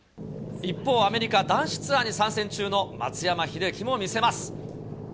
一方、アメリカ男子ツアーに参戦中の松山英樹も見せます。